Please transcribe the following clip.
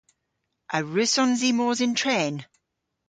A wrussons i mos yn tren?